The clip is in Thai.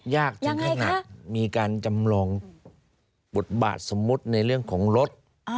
ยากถึงขนาดมีการจำลองบทบาทสมมุติในเรื่องของรถ